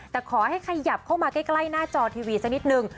แต่ขอให้ขยับเข้ามาใกล้หน้าจอทีวีสักนิดนึง